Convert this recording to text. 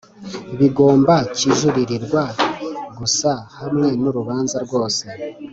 Bigomba kijuririrwa gusa hamwe n’urubanza rwose